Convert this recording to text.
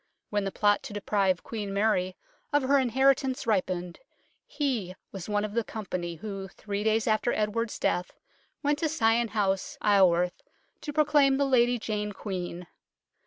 When the plot to deprive Queen Mary of her inheritance ripened he was one of the company who, three days after Edward's death, went to Sion House, Isleworth, to proclaim the Lady Jane Queen.